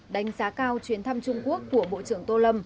đánh giá cao chuyến thăm trung quốc của bộ trưởng tô lâm